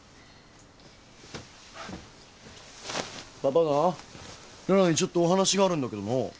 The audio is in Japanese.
パパな羅羅にちょっとお話があるんだけどな。